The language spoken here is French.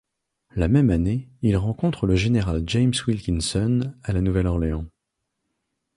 La même année, il rencontre le général James Wilkinson à la Nouvelle-Orléans.